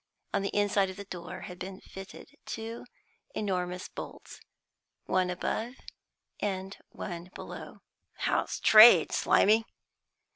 On the inside of the door had been fitted two enormous bolts, one above and one below. "How's trade, Slimy?"